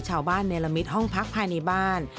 ชาวบ้านในละมิดห้องพักภายในบ้าน